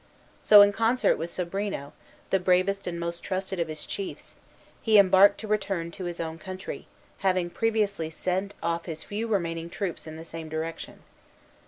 So, in concert with Sobrino, the bravest and most trusted of his chiefs, he embarked to return to his own country, having previously sent off his few remaining troops in the same direction.